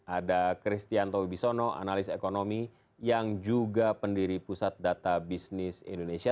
ada kristianto wibisono analis ekonomi yang juga pendiri pusat data bisnis indonesia